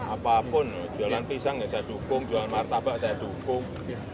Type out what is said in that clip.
apapun jualan pisang ya saya dukung jualan martabak saya dukung